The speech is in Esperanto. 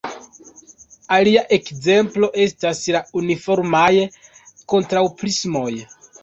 Alia ekzemplo estas la uniformaj kontraŭprismoj.